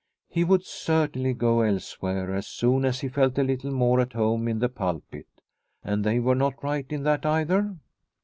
He would cer tainly go elsewhere as soon as he felt a little more at home in the pulpit. " And they were not right in that either